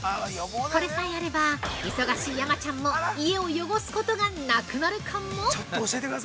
これさえあれば、忙しい山ちゃんも家を汚すことがなくなるかも！？